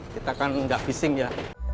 kita kan enggak bising ya